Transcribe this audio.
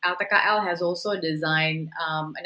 ltkl juga telah menyiapkan